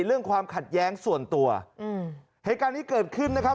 เรื่องความขัดแย้งส่วนตัวอืมเหตุการณ์นี้เกิดขึ้นนะครับ